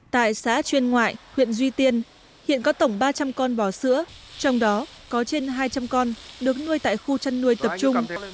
tại xã chuyên ngoại huyện duy tiên hiện có tổng ba trăm linh con bò sữa trong đó có trên hai trăm linh con được nuôi tại khu chăn nuôi tập trung